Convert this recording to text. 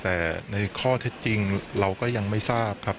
แต่ในข้อเท็จจริงเราก็ยังไม่ทราบครับ